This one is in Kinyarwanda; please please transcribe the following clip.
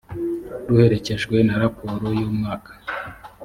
ruherekejwe na raporo y umwaka